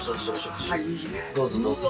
どうぞどうぞ。